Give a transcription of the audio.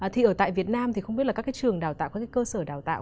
thì ở tại việt nam thì không biết là các cái trường đào tạo các cái cơ sở đào tạo